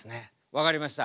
分かりました。